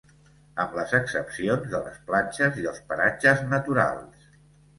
Amb les excepcions de les platges i els paratges naturals.